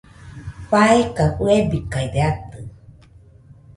faeka fɨebikaide atɨ